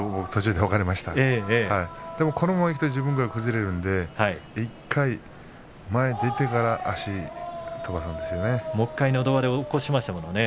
でもこのままいくと自分が崩れるので１回前に出てから足を飛ばすんですよね。